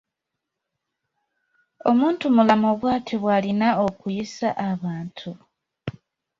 Omuntumulamu bw'atyo bw’alina okuyisa abantu?